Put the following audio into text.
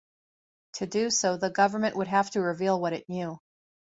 To do so the government would have to reveal what it knew.